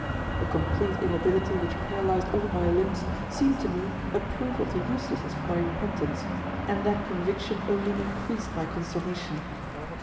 The complete immobility which paralyzed all my limbs seemed to me a proof of the uselessness of my repentance, and that conviction only increased my consternation.